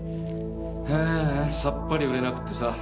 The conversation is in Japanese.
はぁさっぱり売れなくってさ。